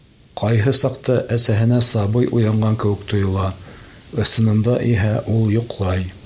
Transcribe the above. Ҡайһы саҡта әсәһенә сабый уянған кеүек тойола, ысынында иһә ул йоҡлай.